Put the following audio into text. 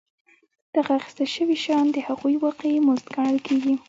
دغه اخیستل شوي شیان د هغوی واقعي مزد ګڼل کېږي